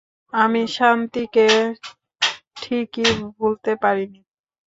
আমি শান্তি কে ঠিকি ভুলতে পারিনি।